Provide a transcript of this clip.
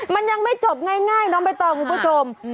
มันยังไม่จบง่ายเนอะไปต่อคุณผู้ชม